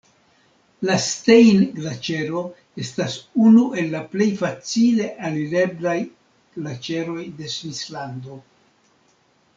La Stein-Glaĉero estas unu el la plej facile alireblaj glaĉeroj de Svislando.